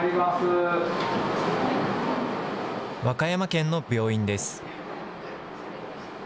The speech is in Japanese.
和歌山県の病院です。